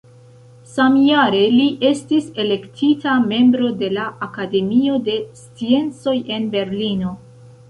Samjare li estis elektita membro de la Akademio de Sciencoj en Berlino.